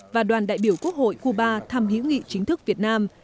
và đoàn đại biểu quốc hội cuba thăm hữu nghị chính thức việt nam